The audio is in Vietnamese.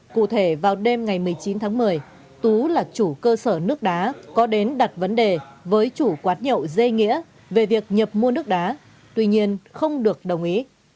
cụ thể vào đêm ngày một mươi chín tháng một mươi tú là chủ cơ sở nước đá có đến đặt vấn đề với chủ quán nhậu dê nghĩa về việc nhập mua nước đá tuy nhiên không được đồng ý